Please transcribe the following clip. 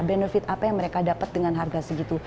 benefit apa yang mereka dapat dengan harga segitu